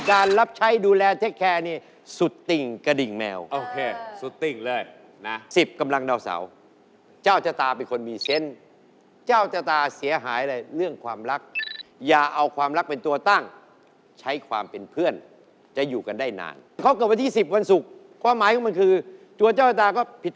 คู่ตรงรุ่นของเขาดีไหมตรงนั้นอ่ะผมว่าดี